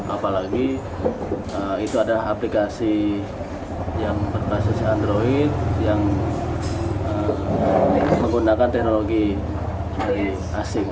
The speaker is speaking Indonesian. apalagi itu adalah aplikasi yang berbasis android yang menggunakan teknologi asing